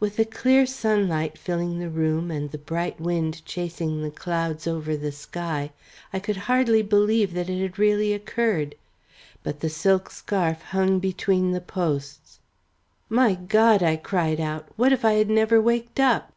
With the clear sunlight filling the room and the bright wind chasing the clouds over the sky, I could hardly believe that it had really occurred. But the silk scarf hung between the posts. "My God," I cried out. "What if I had never waked up!"